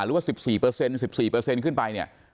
หรือว่า๑๔เปอร์เซ็นต์๑๔เปอร์เซ็นต์ขึ้นไปเนี่ย